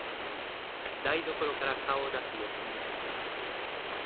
銀次さん。